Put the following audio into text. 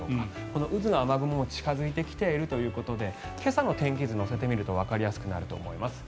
この渦の雨雲が近付いてきているということで今朝の天気図を乗せて見るとわかりやすくなると思います。